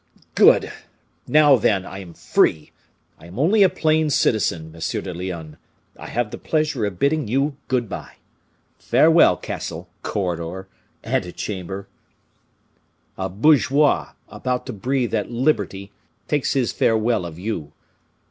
Good! Now, then, I am free! I am only a plain citizen, M. de Lyonne. I have the pleasure of bidding you good bye! Farewell, castle, corridor, ante chamber! a bourgeois, about to breathe at liberty, takes his farewell of you."